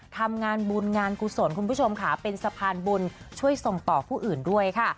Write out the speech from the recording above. ทำงานบุญงานกุศลคุณผู้ชมค่ะเป็นสะพานบุญช่วยส่งต่อผู้อื่นด้วยค่ะ